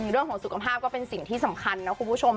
เรื่องของสุขภาพก็เป็นสิ่งที่สำคัญนะคุณผู้ชม